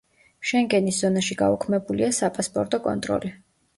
შენგენის ზონაში გაუქმებულია საპასპორტო კონტროლი.